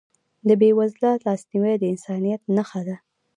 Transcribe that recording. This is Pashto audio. د بېوزلو لاسنیوی د انسانیت نښه ده.